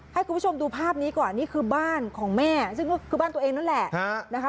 ให้คุณผู้ชมดูภาพนี้ก่อนนี่คือบ้านของแม่ซึ่งก็คือบ้านตัวเองนั่นแหละนะคะ